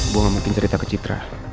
gue gak mungkin cerita ke citra